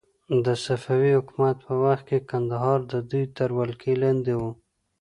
د صفوي حکومت په وخت کې کندهار د دوی تر ولکې لاندې و.